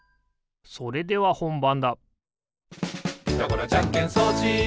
それではほんばんだおや？